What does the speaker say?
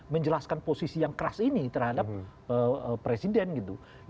menjelaskan posisi yang keras ini terhadap presiden gitu